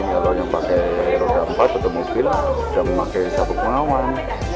kalau yang pakai roda empat atau mobil lah sudah memakai sabuk pengawan